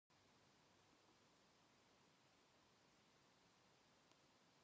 空にながれ行く雲と空翔ける竜。能書（すぐれた筆跡）の形容。